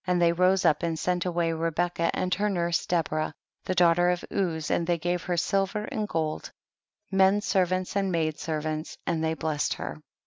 they roseup and sent away Rebecca and her nurse Deborah, the daughter of Uz, and they gave her silver and gold, men servants and maid servants, and they blessed her.